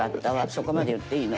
そこまで言っていいの？